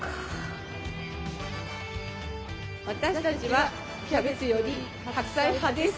私たちはキャベツより白菜派です！